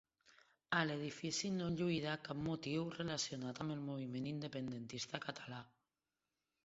A l'edifici no lluirà cap motiu relacionat amb el moviment independentista català.